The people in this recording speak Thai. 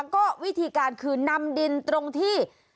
ก็วิธีการคือนำดินตรงที่